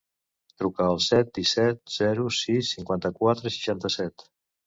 Truca al set, disset, zero, sis, cinquanta-quatre, seixanta-set.